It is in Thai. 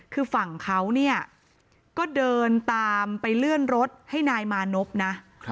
คือฝั่งเขาเนี่ยก็เดินตามไปเลื่อนรถให้นายมานพนะ